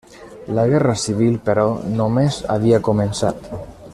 La guerra civil, però, només havia començat.